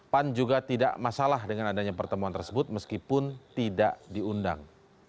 pan juga tidak masalah dengan adanya pertemuan tersebut meskipun tidak diundang